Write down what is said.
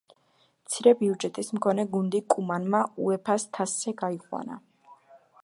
მცირე ბიუჯეტის მქონე გუნდი კუმანმა უეფა-ს თასზე გაიყვანა.